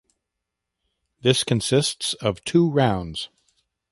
This consists of two rounds.